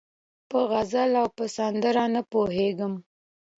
په غزل او په سندره نه پوهېږي